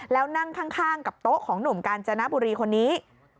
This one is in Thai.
แล้วนั่งข้างกับโต๊ะของหนุ่มกาญจนบุรีคนนี้